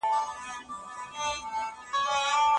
زه اجازه لرم چي تياری وکړم.